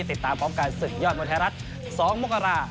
ติดตามพร้อมการศึกยอดมนตรรัฐ๒มกรา